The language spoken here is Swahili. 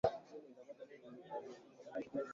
viazi lishe vina vitamini ambazo ni muhimu kwa afya